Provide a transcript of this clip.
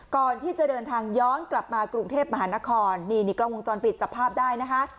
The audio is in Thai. ก่อนที่จะเดินทางย้อนกลับมากรุงเทพมหานครนี่นี่กล้องวงจรปิดจับภาพได้นะคะ